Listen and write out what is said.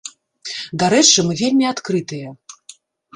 Дарэчы, мы вельмі адкрытыя.